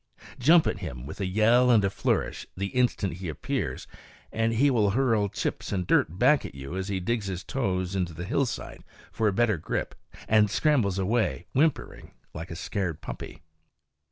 Jump at him with a yell and a flourish the instant he appears, and he will hurl chips and dirt back at you as he digs his toes into the hillside for a better grip and scrambles away whimpering like a scared puppy.